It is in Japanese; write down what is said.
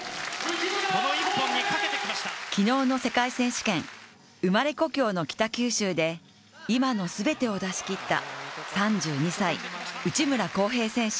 昨日の世界選手権、生まれ故郷の北九州で今の全てを出し切った３２歳、内村航平選手。